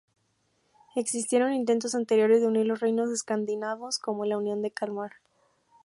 Existieron intentos anteriores de unir los reinos escandinavos, como la Unión de Kalmar.